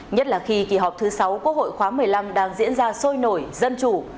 nhất là khi kỳ họp thứ sáu quốc hội khóa một mươi năm đang diễn ra sôi nổi dân chủ